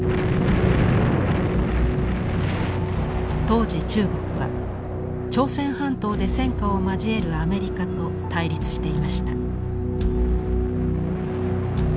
当時中国は朝鮮半島で戦火を交えるアメリカと対立していました。